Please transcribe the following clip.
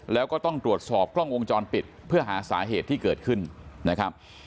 แล้วก็ต้องตรวจสอบกล้องวงจรปิดเพื่อหาสาเหตุที่เกิดขึ้นนะครับ